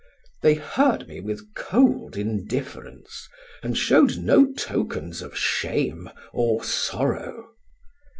They heard me with cold indifference, and showed no tokens of shame or sorrow.